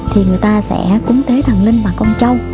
thì người ta sẽ cúng tế thần linh bằng con châu